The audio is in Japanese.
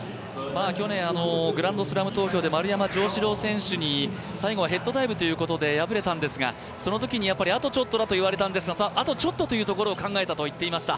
去年、グランドスラム東京で丸山城志郎選手に最後はヘッドダイブということで敗れたんですが、そのときにあとちょっとと言われたんですがあとちょっとというところを考えたと言っていました。